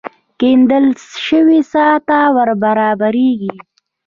کېندل شوې څاه ته ور برابرېږي.